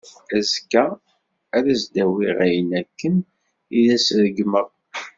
Azekka, ad as-d-awiɣ ayen akken i as-ṛeggmeɣ.